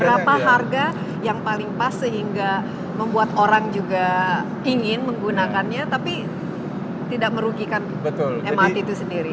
berapa harga yang paling pas sehingga membuat orang juga ingin menggunakannya tapi tidak merugikan mrt itu sendiri